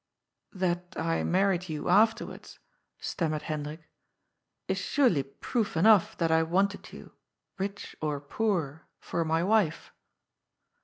" That I married you afterwards," stammered Hendrik, " is surely proof enough that I wanted you — ^rich or poor — for my wife."